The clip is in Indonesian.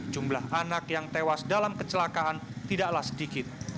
jumlah anak yang tewas dalam kecelakaan tidaklah sedikit